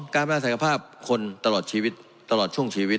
การพัฒนาสักภาพคนตลอดช่วงชีวิต